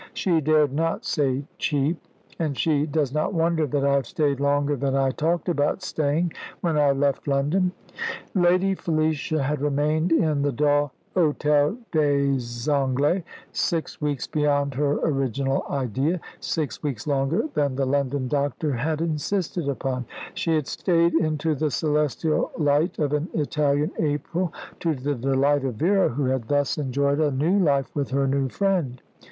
She dared not say cheap. And she does not wonder that I have stayed longer than I talked about staying when I left London." Lady Felicia had remained in the dull Hôtel des Anglais six weeks beyond her original idea six weeks longer than the London doctor had insisted upon; she had stayed into the celestial light of an Italian April, to the delight of Vera, who had thus enjoyed a new life with her new friend.